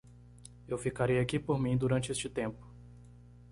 Eu ficarei aqui por mim durante este tempo.